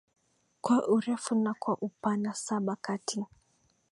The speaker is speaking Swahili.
kwa urefu na kwa upana Saba kati